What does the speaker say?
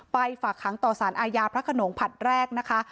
ฝากขังต่อสารอาญาพระขนงผัดแรกนะคะ